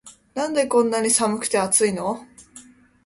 なんでこんなに寒くて熱いの